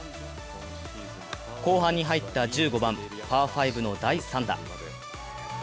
後半に入った１５番パー５の第３打。